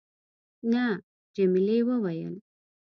نه. جميلې وويل:.